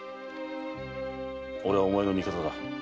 俺はお前の味方だ。